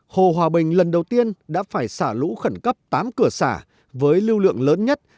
hồ hòa bình lần đầu tiên đã phải xả lũ khẩn cấp tám cửa xả với lưu lượng lớn nhất